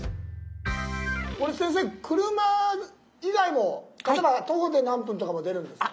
これ先生車以外も例えば徒歩で何分とかも出るんですか？